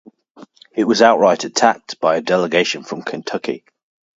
It was outright attacked by a delegation from Kentucky.